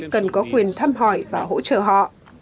cần có quyền thăm hỏi và hỗ trợ họ